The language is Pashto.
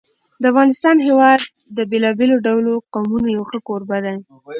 د افغانستان هېواد د بېلابېلو ډولو قومونو یو ښه کوربه دی.